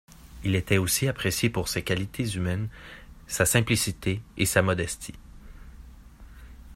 Il était aussi apprécié pour ses qualités humaines, sa simplicité et sa modestie.